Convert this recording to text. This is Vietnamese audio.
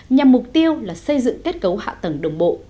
nhằm mục tiêu là xây dựng kết cấu hạ tầng đồng bộ